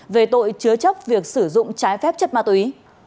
về tội chứa chấp việc sử dụng trái phép chất ma túy